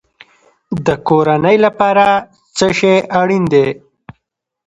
د کورنۍ لپاره څه شی اړین دی؟